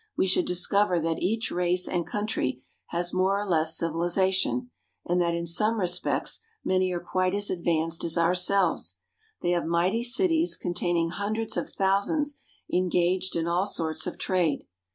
we should discover that each race and country has more or less civilization, and that in some respects many are quite as advanced as ourselves. They have mighty cities con taining hundreds of thousands engaged in all sorts of trade.